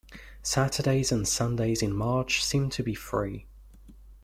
Saturdays and Sundays in March seem to be free.